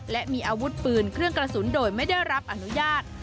และมีอาวุธปืนเครื่องกระสุนโดยไม่ได้รับอนุญาต